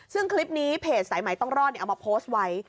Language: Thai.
ซึ่งคลิปนี้เพจสายใหม่ต้องรอดเอามาโพสต์ไว้